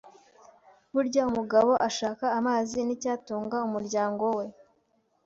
Burya umugabo ashaka amazi n’icyatunga umuryango we.